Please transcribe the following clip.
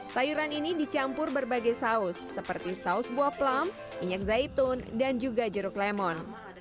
sayuran ini dicampur berbagai saus seperti saus buah plam minyak zaitun dan juga jeruk lemon